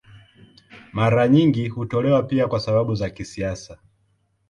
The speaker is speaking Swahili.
Mara nyingi hutolewa pia kwa sababu za kisiasa.